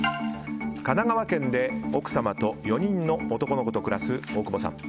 神奈川県で奥様と４人の男の子と暮らす大久保さん。